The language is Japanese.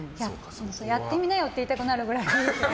やってみなよって言いたくなるくらい。